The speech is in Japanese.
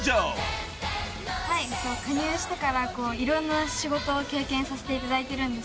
加入してからいろんな仕事を経験させていただいていて。